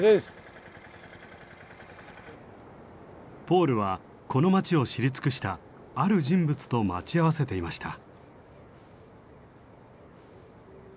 ポールはこの街を知り尽くしたある人物と待ち合わせていました。